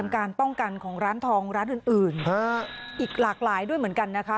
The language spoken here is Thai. การป้องกันของร้านทองร้านอื่นอีกหลากหลายด้วยเหมือนกันนะคะ